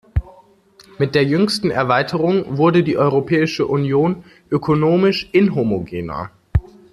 Mit der jüngsten Erweiterung wurde die Europäische Union ökonomisch inhomogener.